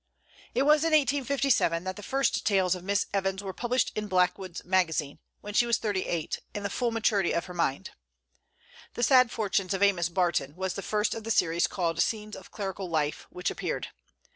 It was in 1857 that the first tales of Miss Evans were published in "Blackwood's Magazine," when she was thirty eight, in the full maturity of her mind. "The Sad Fortunes of Amos Barton" was the first of the series called "Scenes of Clerical Life" which appeared.